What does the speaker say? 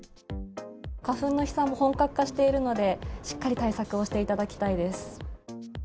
花粉の飛散も本格化しているので、しっかり対策をしていただきたいです。